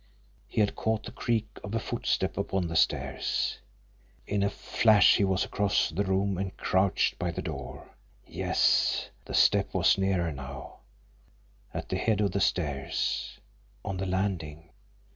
He had caught the creak of a footstep upon the stairs. In a flash he was across the room and crouched by the door. Yes, the step was nearer now at the head of the stairs on the landing.